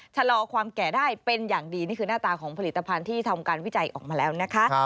ชะลอความแก่ได้เป็นอย่างดีนี่คือหน้าตาของผลิตภัณฑ์ที่ทำการวิจัยออกมาแล้วนะคะ